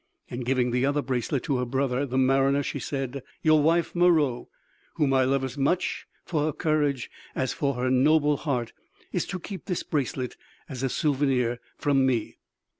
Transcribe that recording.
And giving the other bracelet to her brother the mariner she said: "Your wife, Meroë, whom I love as much for her courage as for her noble heart, is to keep this bracelet as a souvenir from me."